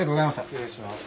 失礼します。